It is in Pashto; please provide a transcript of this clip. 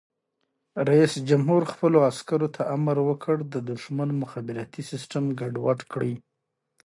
رئیس جمهور خپلو عسکرو ته امر وکړ؛ د دښمن مخابراتي سیسټم ګډوډ کړئ!